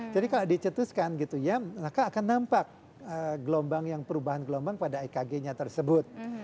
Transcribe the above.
jadi kalau dicetuskan akan nampak perubahan gelombang pada ekg nya tersebut